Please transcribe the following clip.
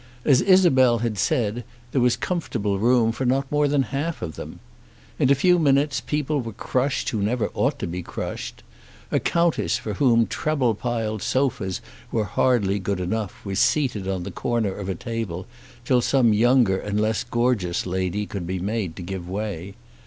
As Isabel had said, there was comfortable room for not more than half of them. In a few minutes people were crushed who never ought to be crushed. A Countess for whom treble piled sofas were hardly good enough was seated on the corner of a table till some younger and less gorgeous lady could be made to give way.